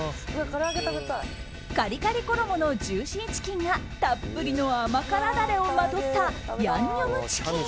カリカリ衣のジューシーチキンがたっぷりの甘辛ダレをまとったヤンニョムチキン。